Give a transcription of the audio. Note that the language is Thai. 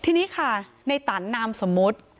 ที่นี้ค่ะในตั๋นนามสมุทร